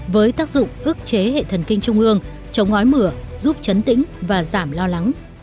với tác dụng ước chế hệ thần kinh trung ương chống ngói mửa giúp chấn tĩnh và giảm lo lắng